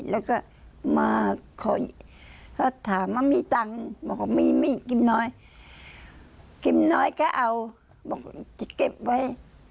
แล้วก็มาขอเขาถามว่ามีตังค์บอกว่ามีไม่กินน้อยกิมน้อยก็เอาบอกจะเก็บไว้